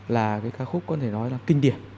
là cái ca khúc có thể nói là kinh điển